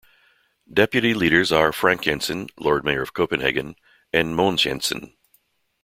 Deputy leaders are Frank Jensen, Lord Mayor of Copenhagen; and Mogens Jensen.